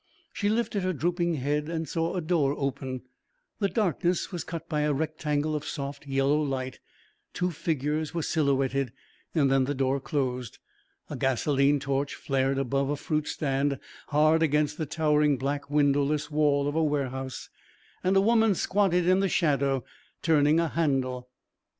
She lifted her drooping head and saw a door open the darkness was cut by a rectangle of soft yellow light, two figures were silhouetted, then the door closed. A gasolene torch flared above a fruit stand hard against the towering black windowless wall of a warehouse and a woman squatted in the shadow turning a handle.